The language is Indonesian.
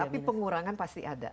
tapi pengurangan pasti ada